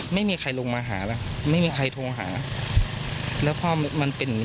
ไม่มีใครลงมาหาแล้วไม่มีใครโทรหาแล้วพอมันเป็นอย่างนี้